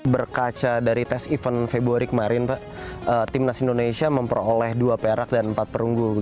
berkaca dari tes event februari kemarin pak timnas indonesia memperoleh dua perak dan empat perunggu